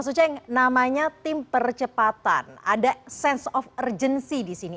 mas uceng namanya tim percepatan ada sense of urgency di sini